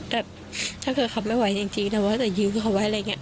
ถ้าเขาไม่ไหวจริงแต่ว่าจะยื้อเขาไว้อะไรอย่างนี้